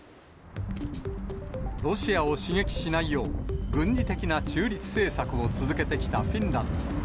ロシアを刺激しないよう、軍事的な中立政策を続けてきたフィンランド。